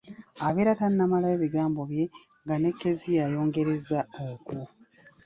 Abeera tannamalayo bigambo bye nga ne Kezia ayongereza okwo.